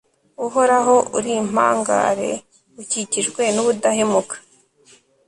uhoraho, uri impangare, ukikijwe n'ubudahemuka